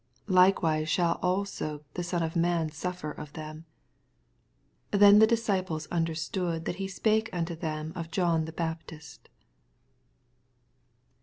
Likewise shall also the Son of man suffer of them. 18 Then the disciples understood that he spake unto them of John the Baptist.